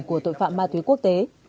của tội phạm ma túy quốc tế